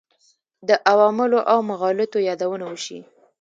د عواملو او مغالطو یادونه وشي.